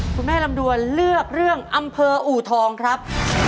ลำดวนเลือกเรื่องอำเภออูทองครับ